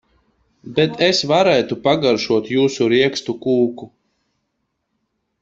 Bet es varētu pagaršotjūsu riekstu kūku.